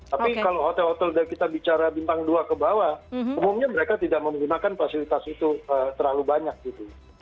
tapi kalau hotel hotel dari kita bicara bintang dua ke bawah umumnya mereka tidak menggunakan fasilitas itu terlalu banyak gitu